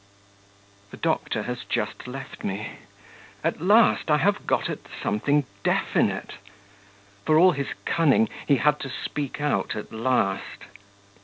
The doctor has just left me. At last I have got at something definite! For all his cunning, he had to speak out at last.